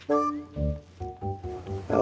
oh nanti jatuh